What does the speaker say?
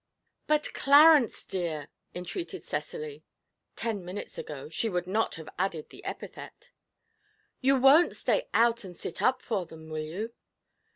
'But, Clarence, dear,' entreated Cecily (ten minutes ago she would not have added the epithet), 'you won't stay out and sit up for them, will you?'